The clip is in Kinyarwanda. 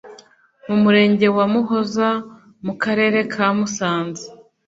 mu murenge wa muhoza mu karere ka musanze